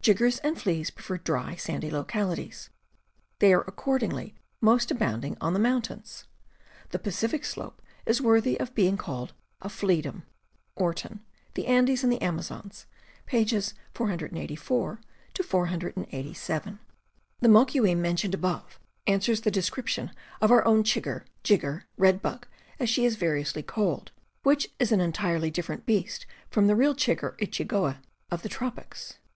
Jiggers and fleas prefer dry, sandy localities; they are accor dingly most abounding on the mountains. The Pacific slope is worthy of being called flea dom. — Orton, The Andes and the Amazons, pp. 484 487. The moquim mentioned above answers the descrip tion of our own chigger, jigger, red bug, as she is vari ^ ously called, which is an entirely different ^. beast from the real chigger or chigoe of the tropics.